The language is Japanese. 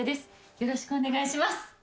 よろしくお願いします